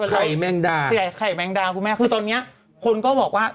ไข่แมงดาใส่ไข่แมงดาคุณแม่คือตอนเนี้ยคนก็บอกว่า